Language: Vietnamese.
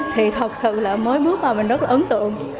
thì thật sự là mới bước vào mình rất là ấn tượng